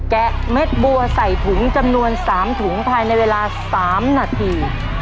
แกะเม็ดบัวใส่ถุงจำนวน๓ถุงภายในเวลา๓นาที